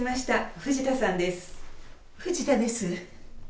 藤田です。